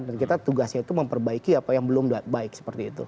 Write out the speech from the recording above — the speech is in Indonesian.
karena tugasnya itu memperbaiki apa yang belum baik seperti itu